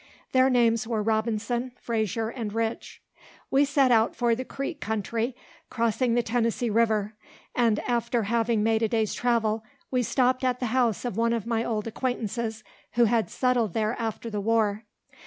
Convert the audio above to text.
Their names were Robinson, Frazier, and Rich. We set out for the Creek country, crossing the Tennessee river; and after having made a day's travel, we stop'd at the house of one of my old acquaintances, who had settled there after the war.